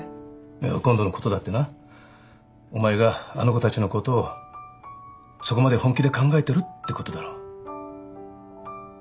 いや今度のことだってなお前があの子たちのことをそこまで本気で考えてるってことだろ。